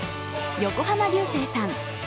横浜流星さん